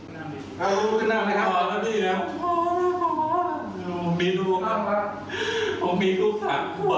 นี่ค่ะโอโหนี่ค่ะยกมือวายร้องไห้ขอโทษใหญ่เลยนะคะ